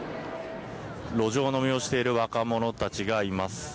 路上飲みをしている若者たちがいます。